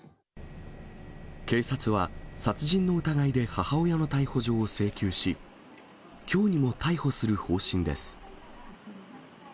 警察は殺人の疑いで母親の逮捕状を請求し、きょうにも逮捕する方針です。